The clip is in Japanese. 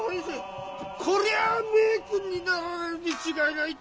こりゃあ名君になられるに違いないと！